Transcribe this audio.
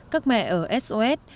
các mẹ ở sos